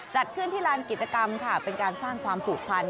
จัดขึ้นที่ลานกิจกรรมค่ะเป็นการสร้างความผูกพัน